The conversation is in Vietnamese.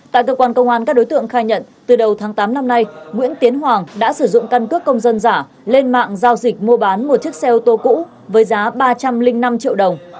tại cơ quan công an các đối tượng khai nhận từ đầu tháng tám năm nay nguyễn tiến hoàng đã sử dụng căn cước công dân giả lên mạng giao dịch mua bán một chiếc xe ô tô cũ với giá ba trăm linh năm triệu đồng